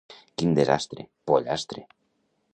Quin desastre, pollastre!